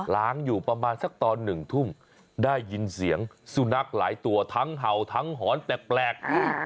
งอยู่ประมาณสักตอนหนึ่งทุ่มได้ยินเสียงสุนัขหลายตัวทั้งเห่าทั้งหอนแปลก